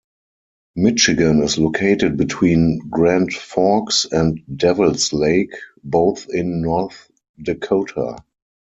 Michigan is located between Grand Forks and Devils Lake, both in North Dakota.